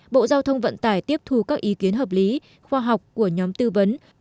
bộ giao thông vận tải tiếp thu các ý kiến hợp lý khoa học của nhóm tư vấn